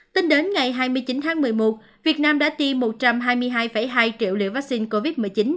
tính đến ngày hai mươi chín tháng một mươi một việt nam đã tiêm một trăm hai mươi hai hai triệu liều vaccine covid một mươi chín